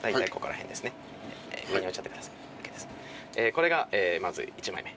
これがまず１枚目。